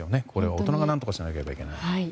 大人が何とかしなければいけない。